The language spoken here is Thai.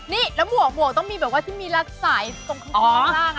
นี่แล้วหมวกต้องมีแบบว่าที่มีรัดสายตรงข้างล่าง